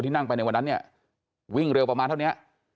ที่นั่งไปในวันนั้นวิ่งเร็วประมาณเท่านี้